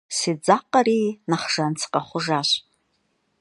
Седзакъэри, нэхъ жан сыкъэхъужащ.